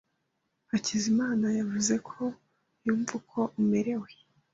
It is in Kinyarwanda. Hakizimana yavuze ko yumva uko umerewe.